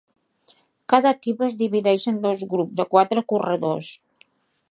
Cada equip es divideix en dos grups de quatre corredors.